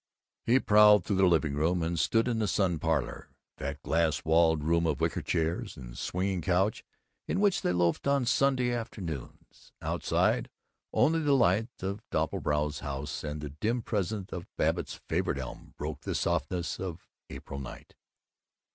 He prowled through the living room, and stood in the sun parlor, that glass walled room of wicker chairs and swinging couch in which they loafed on Sunday afternoons. Outside, only the lights of Doppelbrau's house and the dim presence of Babbitt's favorite elm broke the softness of April night.